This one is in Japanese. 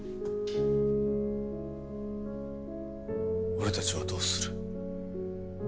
俺たちはどうする？